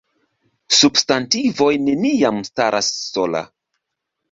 Substantivoj neniam staras sola.